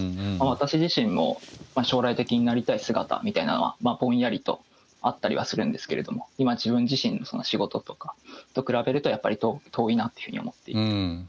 私自身も将来的になりたい姿みたいなのはぼんやりとあったりはするんですけれども今自分自身の仕事とかと比べるとやっぱり遠いなっていうふうに思っていて。